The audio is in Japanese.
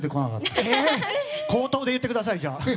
口頭で言ってください。